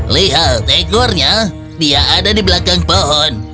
lihat ekornya dia ada di belakang pohon